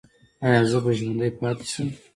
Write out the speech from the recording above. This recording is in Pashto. ایا زه به ژوندی پاتې شم؟